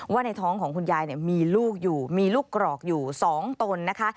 ในท้องของคุณยายมีลูกอยู่มีลูกกรอกอยู่๒ตนนะคะ